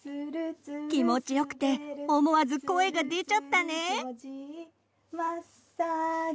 気持ちよくて思わず声が出ちゃったね。